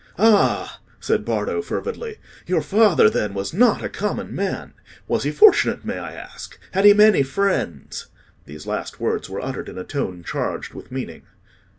"Ah!" said Bardo, fervidly, "your father, then, was not a common man. Was he fortunate, may I ask? Had he many friends?" These last words were uttered in a tone charged with meaning.